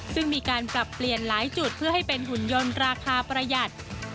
ซึ่งมีการปรับเปลี่ยนหลายจุดเพื่อให้เป็นหุ่นยนต์ราคาประหยัด